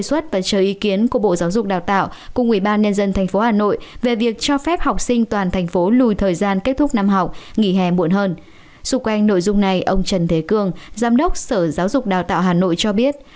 xung quanh nội dung này ông trần thế cương giám đốc sở giáo dục đào tạo hà nội cho biết